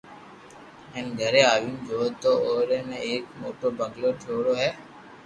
ھين گھري آوين جويو تو او ري تي ايڪ موٽو بنگلو ٺيو ڙو ھي